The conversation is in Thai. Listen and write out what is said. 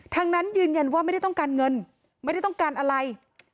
ทั้งนั้นยืนยันว่าไม่ได้ต้องการเงินไม่ได้ต้องการอะไร